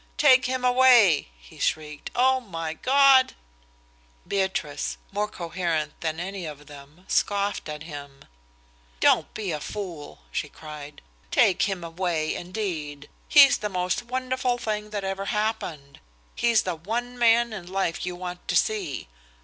"Take him away!" he shrieked. "Oh, my God!" Beatrice, more coherent than any of them, scoffed at him. "Don't be a fool!" she cried. "Take him away, indeed! He's the most wonderful thing that ever happened. He's the one man in life you want to see!